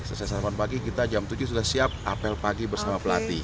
selesai sarapan pagi kita jam tujuh sudah siap apel pagi bersama pelatih